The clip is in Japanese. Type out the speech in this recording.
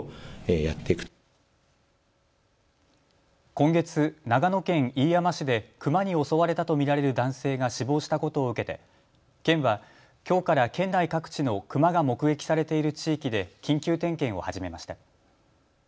今月、長野県飯山市でクマに襲われたと見られる男性が死亡したことを受けて県はきょうから県内各地のクマが目撃されている地域で緊急点検を始めました。